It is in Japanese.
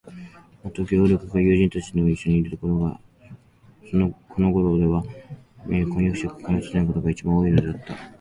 もっとも、ゲオルクが友人たちといっしょにいることや、このごろでは婚約者が彼を訪ねることが、いちばん多いのではあった。